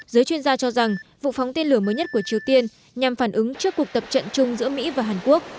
giới chuyên gia cho rằng vụ phóng tên lửa mới nhất của triều tiên nhằm phản ứng trước cuộc tập trận chung giữa mỹ và hàn quốc